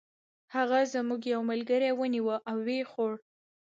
هغه زموږ یو ملګری ونیوه او و یې خوړ.